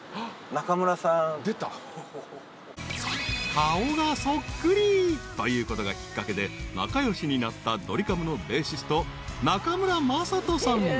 ［顔がそっくりということがきっかけで仲良しになったドリカムのベーシスト］